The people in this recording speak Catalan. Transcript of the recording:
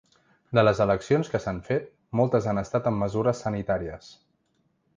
De les eleccions que s’han fet, moltes han estat amb mesures sanitàries.